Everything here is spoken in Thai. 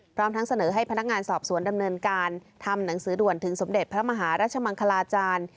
พร้อมทั้งเสนอให้พนักงานสอบสวนดำเนินการทำหนังสือด่วนถึงสมเด็จพระมหารัชมังคลาจารย์